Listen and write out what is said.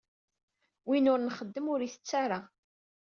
Win ur nxeddem ur itett ata!